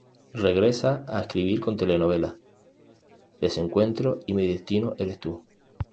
Regresa a escribir con telenovelas: Desencuentro y Mi destino eres tú.